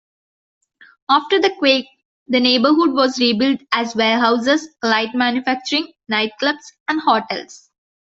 After the quake, the neighborhood was rebuilt as warehouses, light manufacturing, nightclubs, and hotels.